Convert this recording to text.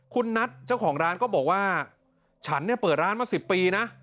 คุณนัทเจ้าของร้านก็บอกว่าฉันเนี่ยเปิดร้านมา๑๐ปีนะ